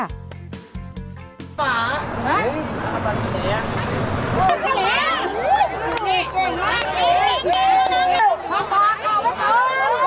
เก่งมากเก่ง